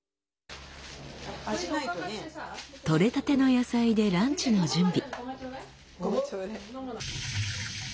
取れたての野菜でランチの準備。